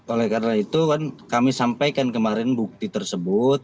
oleh karena itu kan kami sampaikan kemarin bukti tersebut